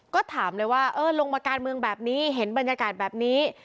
ก็ถามเลยว่าเออลงมาการเมืองแบบนี้เห็นบรรยากาศแบบนี้